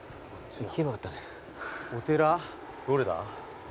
お寺どれだ？